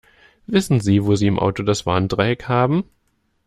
Wissen Sie, wo sie im Auto das Warndreieck haben?